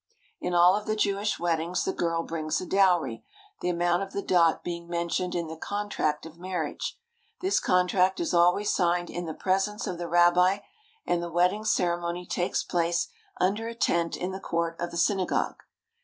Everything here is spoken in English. In all of the Jewish weddings the girl brings a dowry, the amount of the dot being mentioned in the contract of marriage. This contract is always signed in the presence of the rabbi, and the wedding ceremony takes place under a tent in the court of the synagogue.